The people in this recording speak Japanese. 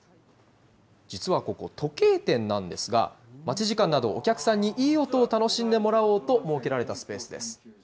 実はここ、時計店なんですが、待ち時間など、お客さんにいい音を楽しんでもらおうと設けられたスペースです。